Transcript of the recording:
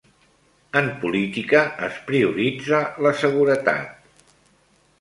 En política es prioritza la seguretat.